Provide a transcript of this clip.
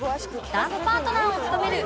ダンスパートナーを務める